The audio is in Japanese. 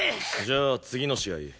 じゃあ次の試合